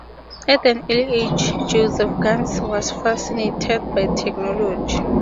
At an early age, Josef Ganz was fascinated by technology.